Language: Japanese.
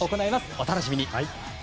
お楽しみに。